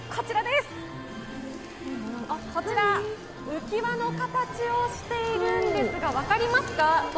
こちら、浮き輪の形をしているんですが、分かりますか？